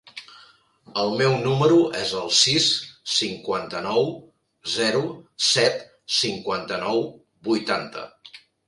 El meu número es el sis, cinquanta-nou, zero, set, cinquanta-nou, vuitanta.